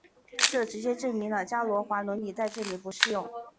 这直接证明了伽罗华理论在这里不适用。